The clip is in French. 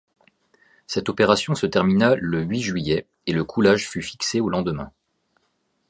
Cette opération se termina le huit juillet, et le coulage fut fixé au lendemain.